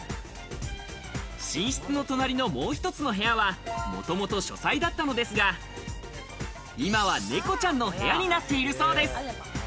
寝室の隣のもう一つの部屋はもともと書斎だったのですが今は猫ちゃんの部屋になっているそうです。